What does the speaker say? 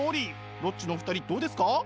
ロッチの２人どうですか？